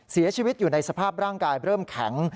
เสียชีวิตอยู่ในสภาพร่างกายเริ่มแข็ง